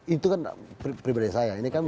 itu kan pribadi saya ini kan